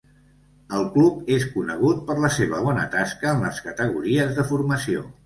El club és conegut per la seva bona tasca en les categories de formació.